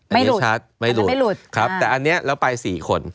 ไม่ลุดไม่ลุดแต่อันนี้เราไปสี่คน